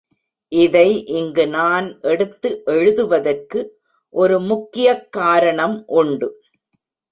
இதை இங்கு நான் எடுத்து எழுதுவதற்கு ஒரு முக்கியக் காரணம் உண்டு.